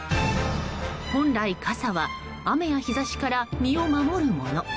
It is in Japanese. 本来、傘は雨や日差しから身を守るもの。